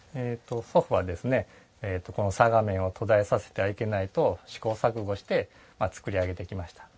祖父はこの嵯峨面を途絶えさせてはいけないと試行錯誤して作り上げてきました。